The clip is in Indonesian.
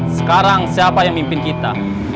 sekarang siapa yang mimpin kita